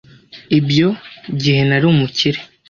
Ibyo gihe nari umukire.